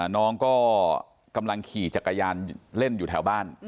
น้องก็กำลังขี่จักรยานเล่นอยู่แถวบ้าน